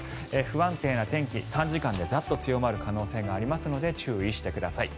不安定な天気短時間でざっと強まる可能性がありますので注意してください。